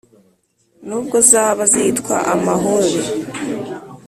n' ubwo zaba zitwa amahore